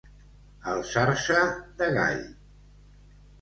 Alçar-se de gall.